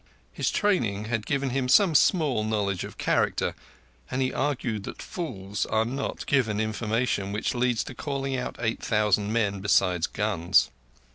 His training had given him some small knowledge of character, and he argued that fools are not given information which leads to calling out eight thousand men besides guns.